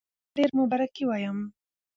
درته ډېر ډېر مبارکي وایم.